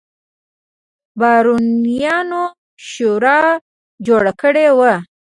بارونیانو شورا جوړه کړې وه.